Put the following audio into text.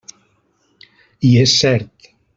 I és cert.